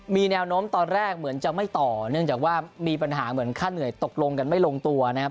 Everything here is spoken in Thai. มีแนวโน้มตอนแรกเหมือนจะไม่ต่อเนื่องจากว่ามีปัญหาเหมือนค่าเหนื่อยตกลงกันไม่ลงตัวนะครับ